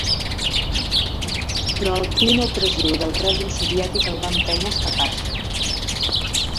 Però el clima opressiu del règim soviètic el va empènyer a escapar-se.